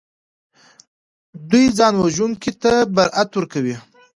دوی ځانوژونکي ته برائت ورکوي